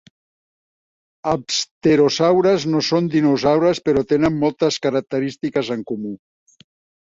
Els pterosaures no són dinosaures però tenen moltes característiques en comú.